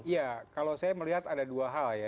ya kalau saya melihat ada dua hal ya